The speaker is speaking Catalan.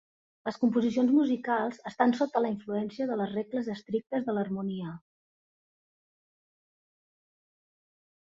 Les composicions musicals estan sota la influència de les regles estrictes de l'harmonia.